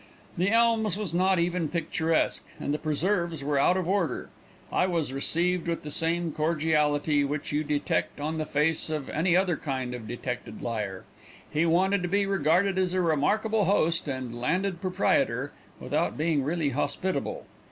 The Elms was not even picturesque, and the preserves were out of order. I was received with the same cordiality which you detect on the face of any other kind of detected liar. He wanted to be regarded as a remarkable host and landed proprietor, without being really hospitable.